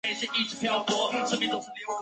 另译朴宣浩。